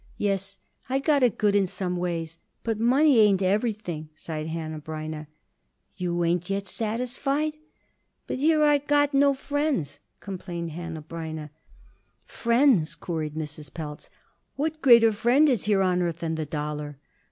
"Yes, I got it good in some ways, but money ain't everything," sighed Hanneh Breineh. "You ain't yet satisfied?" "But here I got no friends," complained Hanneh Breineh. "Friends?" queried Mrs. Pelz. "What greater friend is there on earth than the dollar?"